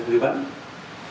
semoga bertempat dua tahun ini